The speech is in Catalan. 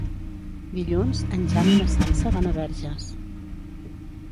Dilluns en Jan i na Sança van a Verges.